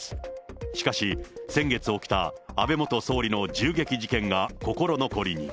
しかし、先月起きた安倍元総理の銃撃事件が心残りに。